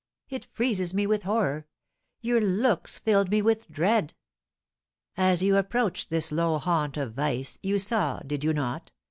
It freezes me with horror; your looks fill me with dread!" "As you approached this low haunt of vice, you saw did you not?